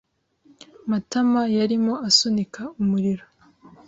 Matama yarimo asunika umuriro.